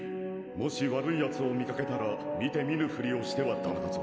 もし悪い奴を見かけたら見て見ぬ振りをしてはダメだぞ？